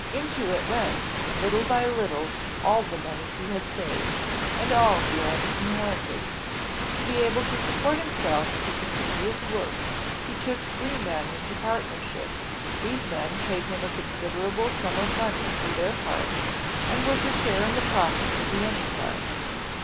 Into it went, little by little, all the money he had saved, and all he had in herited. To be able to support himself and to continue his work he took three men into partnership. These men paid him a considerable sum of money for their part, and were to share in the profits of the enterprise.